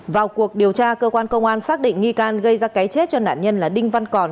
vào cuộc điều tra cơ quan công an xác định nghi can gây ra cái chết cho nạn nhân là đinh văn còn